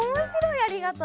「ありがとう！」。